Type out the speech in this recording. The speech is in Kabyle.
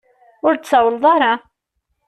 Ur d-tsawleḍ ara.